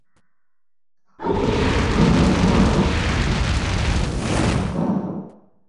pia hawatatoa majeshi yake ya kulinda usalama katika mji wa mogadishu somalia